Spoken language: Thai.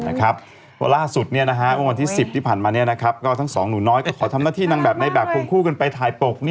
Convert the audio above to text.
เพราะล่าสุดเมื่อวันที่๑๐ที่ผ่านมาก็ทั้งสองหนูน้อยก็ขอทำหน้าที่นางแบบในแบบควงคู่กันไปถ่ายปก